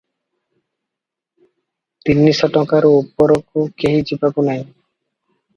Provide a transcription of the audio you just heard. ତିନିଶ ଟଙ୍କାରୁ ଉପରକୁ କେହି ଯିବାକୁ ନାହିଁ ।